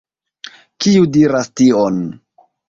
Kiu diras tion?